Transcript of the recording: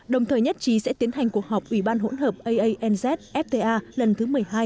đồng thời nhất trí sẽ tiến hành cuộc họp ủy ban hỗn hợp aanz fta lần thứ một mươi hai